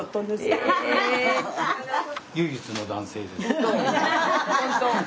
唯一の男性です。